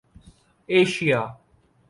Asia